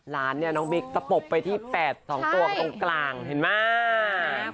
ร้านเนี่ยน้องบิ๊กตะปบไปที่๘๒ตัวตรงกลางเห็นไหม